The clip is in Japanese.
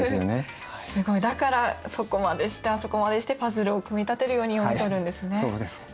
だからそこまでしてあそこまでしてパズルを組み立てるように読み取るんですね。